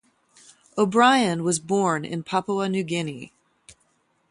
O’Brien was born in Papua New Guinea.